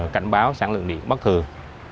cảnh báo sản lượng điện bất thường